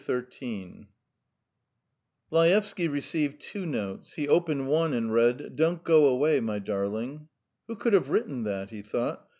XIII Laevsky received two notes; he opened one and read: "Don't go away, my darling." "Who could have written that?" he thought.